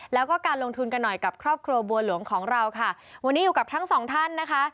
แล้วก็การลงทุนกันหน่อยกับครอบครัวบัวหลวงของเราค่ะวันนี้อยู่กับทั้งสองท่านนะคะ